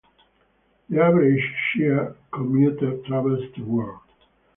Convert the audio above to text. The average Shere commuter travels to work.